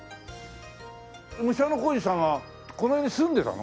武者小路さんはこの辺に住んでたの？